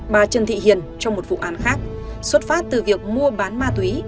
bà trần thị hiền trong một vụ án khác xuất phát từ việc mua bán ma túy